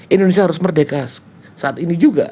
indonesia harus merdeka saat ini juga